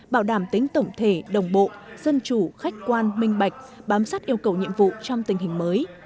bảo đảm tính tổng thể đồng bộ dân chủ khách quan minh bạch bám sát yêu cầu nhiệm vụ trong tình hình mới